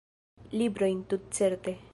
Librojn, tutcerte.